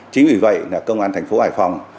chính vì vậy là công an thành phố hải phòng